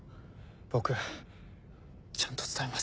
僕ちゃんと伝えます。